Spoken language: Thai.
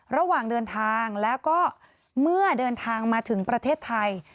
ระหว่างเดินทางแล้วก็เมื่อเดินทางมาถึงประเทศไทย